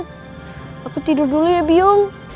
aku harus tidur dulu biung